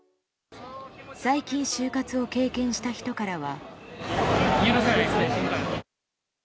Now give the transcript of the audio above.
最近、就活を経験した人からは。